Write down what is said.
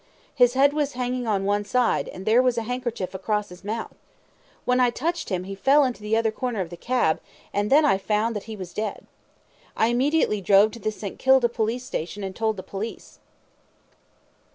His head was hanging on one side, and there was a handkerchief across his mouth. When I touched him he fell into the other corner of the cab, and then I found out he was dead. I immediately drove to the St. Kilda police station and told the police.